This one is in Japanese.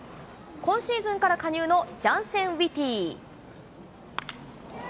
今シーズンから加入のジャンセン・ウィティ。